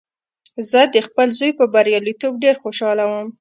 زه د خپل زوی په بریالیتوب ډېر خوشحاله وم